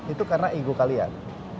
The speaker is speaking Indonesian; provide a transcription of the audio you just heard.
itu karena ego kalian